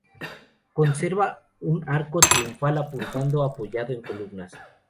Conserva un arco triunfal apuntado apoyado en columnas.